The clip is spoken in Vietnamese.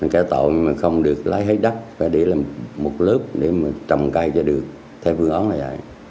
cả tội mình không được lấy hết đất phải đi làm một lớp để mà trồng cây cho được theo phương án là vậy